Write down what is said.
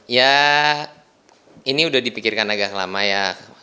ya ini udah dipikirkan agak lama ya